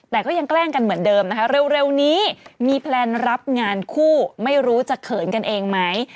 แต่ก็ยังแกล้งกันเหมือนเดิมนะคะเร็วนี้มีแพลนรับงานคู่ไม่รู้จะเขินกันเองไหม